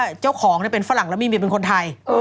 เจ้าของเป็นฝรั่งแล้วมีเมียเป็นคนไทย